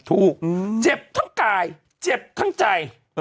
ถูกเจ็บทั้งกายเจ็บทั้งใจ